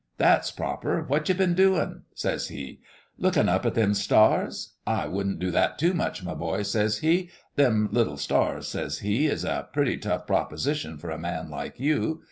That's proper. What you been doin' ?' says He. 1 Lookin' up at all them stars ? I wouldn't do that too much, my boy/ says He. ' Them little stars,' says He, 'is a pretty tough proposition for a man like you.